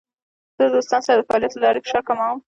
زه د دوستانو سره د فعالیت له لارې فشار کموم.